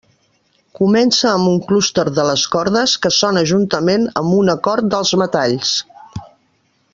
Comença amb un clúster de les cordes que sona juntament amb un acord dels metalls.